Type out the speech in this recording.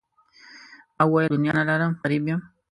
ما وویل دنیا نه لرم غریب یم.